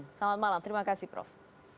selamat malam terima kasih prof